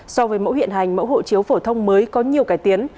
so với mẫu hiện hành mẫu hộ chiếu phổ thông mới có nhiều cải tiến